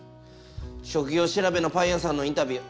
職業調べのパン屋さんのインタビュー